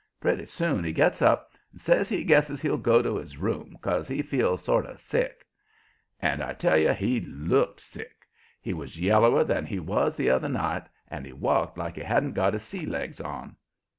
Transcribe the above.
Pretty soon he gets up and says he guesses he'll go to his room, 'cause he feels sort of sick. And I tell you he looked sick. He was yellower than he was the other night, and he walked like he hadn't got his sea legs on.